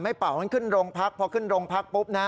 เป่าให้ขึ้นโรงพักพอขึ้นโรงพักปุ๊บนะ